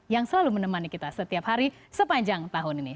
yang selalu menemani kita setiap hari sepanjang tahun ini